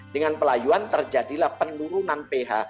dengan pelayuan terjadilah penurunan ph